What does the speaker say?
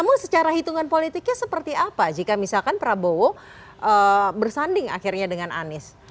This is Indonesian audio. namun secara hitungan politiknya seperti apa jika misalkan prabowo bersanding akhirnya dengan anies